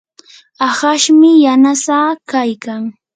ahashmi yanasaa kaykan.